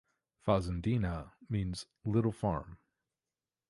"Fazendinha" means "Little Farm".